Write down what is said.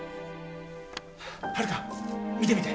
ハルカ見てみて。